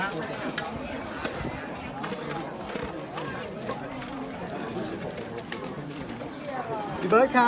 สวัสดีครับ